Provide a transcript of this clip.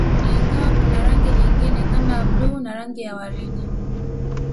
Ingawa kuna rangi nyingine kama bluu na rangi ya waridi